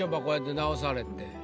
こうやって直されて。